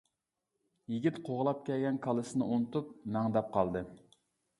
يىگىت قوغلاپ كەلگەن كالىسىنى ئۇنتۇپ، مەڭدەپ قالدى.